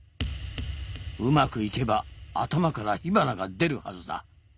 うまくいけば頭から火花が出るはずだ。